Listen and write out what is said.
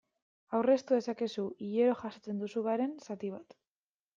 Aurreztu dezakezu hilero jasotzen duzubaren zati bat.